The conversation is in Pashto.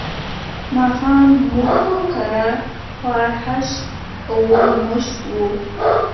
ماښام زموږ کره خوار هشت و مشت وو.